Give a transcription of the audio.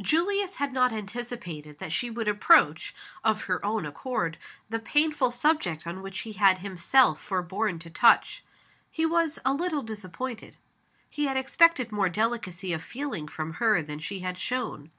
Julius had not anticipated that sh e would approach, of her own accord, the painful subject on which he had himself forborne to touch. He was a little disappointed. He had expected more delicacy of feeling from her than she had shown.